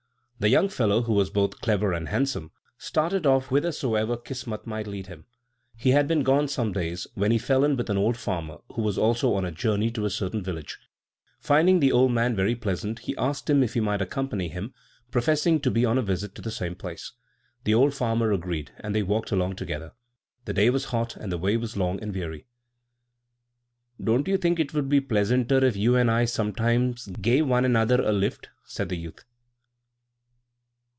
The young fellow, who was both clever and handsome, started off whithersoever Kismat might lead him. He had been gone some days, when he fell in with an old farmer, who also was on a journey to a certain village. Finding the old man very pleasant, he asked him if he might accompany him, professing to be on a visit to the same place. The old farmer agreed, and they walked along together. The day was hot, and the way was long and weary. "Don't you think it would be pleasanter if you and I sometimes gave one another a lift?" said the youth.